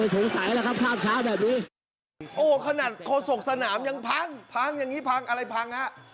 โอ้โหขนาดโศกสนามยังพังพังอย่างนี้พังอะไรพังฮะ